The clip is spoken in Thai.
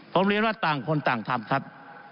ผมเรียนว่าต่างคนต่างทำครับ